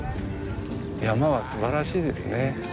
山はすばらしいですね。